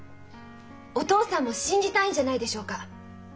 お父さんも信じたいんじゃないでしょうか？